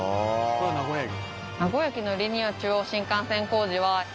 「これは名古屋駅」